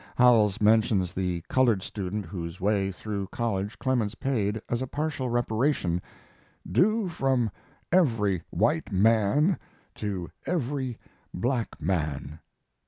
Howells mentions the colored student whose way through college Clemens paid as a partial reparation "due from every white man to every black man."